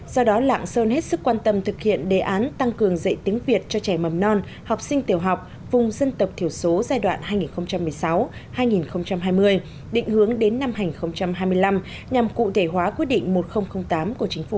do đó lạng sơn hết sức quan tâm thực hiện đề án tăng cường dạy tiếng việt cho trẻ mầm non học sinh tiểu học vùng dân tộc thiểu số giai đoạn hai nghìn một mươi sáu hai nghìn hai mươi định hướng đến năm hai nghìn hai mươi năm nhằm cụ thể hóa quyết định một nghìn tám của chính phủ